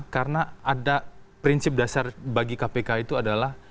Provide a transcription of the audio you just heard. karena ada prinsip dasar bagi kpk itu adalah